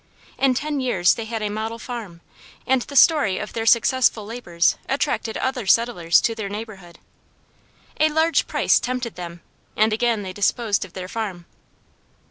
In ten years they had a model farm, and the story of their successful labors attracted other settlers to their neighborhood. A large price tempted them and again they disposed of their farm.